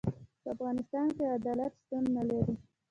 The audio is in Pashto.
په افغانستان کي عدالت شتون نلري.